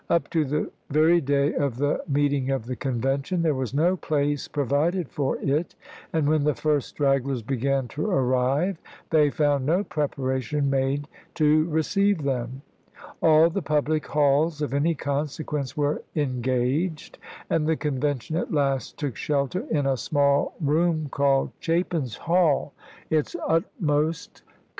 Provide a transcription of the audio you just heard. Up to the very day of the meeting of the Convention there was no place provided for it, and when the first stragglers began to arrive they found no preparation made to receive them. All the public halls of any consequence were en gaged, and the Convention at last took shelter in a small room called " Chapin's Hall." Its utmost ca Vol. IX.— 3 34 ABRAHAM LINCOLN chap.